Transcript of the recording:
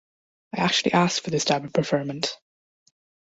I actually asked for this dab of preferment.